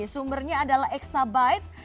sumbernya adalah exabytes